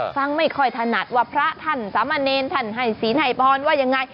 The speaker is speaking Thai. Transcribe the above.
ฟังไม่ค่อยถนัดว่าพระท่านสามเณรท่านให้ศีลให้พรว่ายังไง